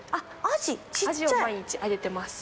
アジを毎日あげてます。